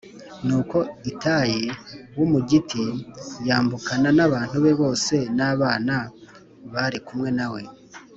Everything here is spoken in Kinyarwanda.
Nuko Itayi w’Umugiti yambukana n’abantu be bose n’abana bari kumwe na we.